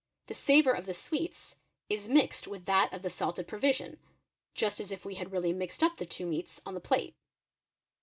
The savour of the sweets is mixed with that of the saltec provision, just as if we had really mixed up the two meats on the plate.